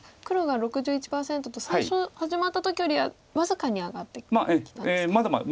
黒が６１％と最初始まった時よりは僅かに上がってきた。